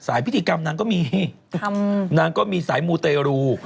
พิธีกรรมนางก็มีนางก็มีสายมูเตรู